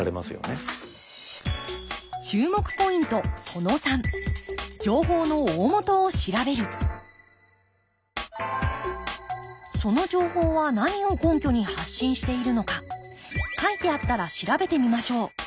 その３その情報は何を根拠に発信しているのか書いてあったら調べてみましょう。